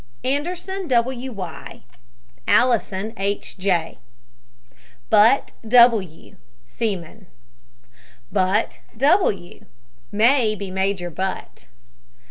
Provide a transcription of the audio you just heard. ANDERSON, W. Y. ALLISON, H. J. BUTT, W. (seaman). BUTT, W. (may be Major Butt).